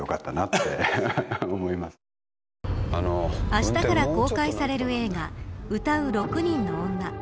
あしたから公開される映画唄う六人の女。